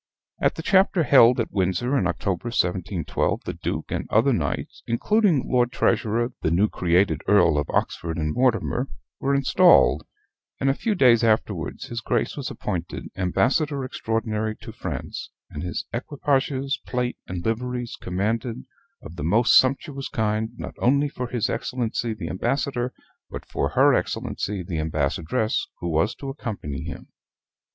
At the Chapter held at Windsor in October, 1712, the Duke and other knights, including Lord Treasurer, the new created Earl of Oxford and Mortimer, were installed; and a few days afterwards his Grace was appointed Ambassador Extraordinary to France, and his equipages, plate, and liveries commanded, of the most sumptuous kind, not only for his Excellency the Ambassador, but for her Excellency the Ambassadress, who was to accompany him.